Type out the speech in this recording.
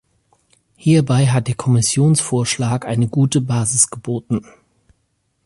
Hierbei hat der Kommissionsvorschlag eine gute Basis geboten.